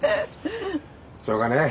しょうがねえ。